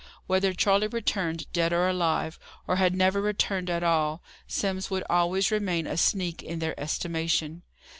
Whether Charley returned dead or alive, or had never returned at all, Simms would always remain a sneak in their estimation.